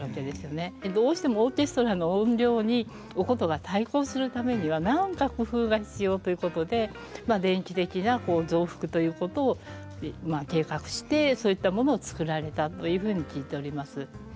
どうしてもオーケストラの音量にお箏が対抗するためには何か工夫が必要ということで電気的な増幅ということを計画してそういったものを作られたというふうに聞いております。